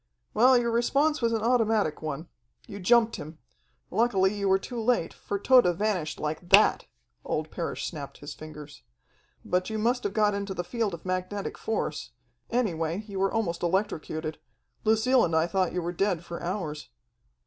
"Well, your response was an automatic one. You jumped him. Luckily you were too late, for Tode vanished like that!" Old Parrish snapped his fingers. "But you must have got into the field of magnetic force any way, you were almost electrocuted. Lucille and I thought you were dead for hours.